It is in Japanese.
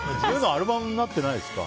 アルバムになってないですか。